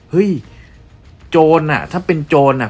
เฮ้ยโจรอ่ะถ้าเป็นโจรอะ